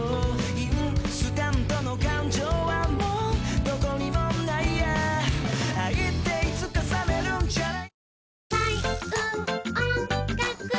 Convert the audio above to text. インスタントの感情はもう何処にもないや「愛っていつか冷めるんじゃない？」